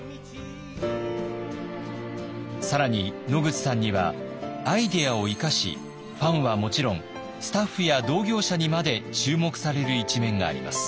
更に野口さんにはアイデアを生かしファンはもちろんスタッフや同業者にまで注目される一面があります。